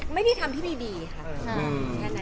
ไม่ได้ทำที่มีดีค่ะ